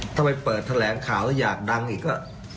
ถ้าไปเปิดแถลงข่าวแล้วอยากดังอีกก็